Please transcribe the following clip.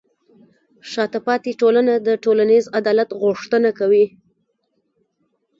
شاته پاتې ټولنه د ټولنیز عدالت غوښتنه کوي.